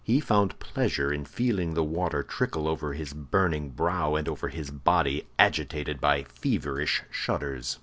He found pleasure in feeling the water trickle over his burning brow and over his body, agitated by feverish shudders.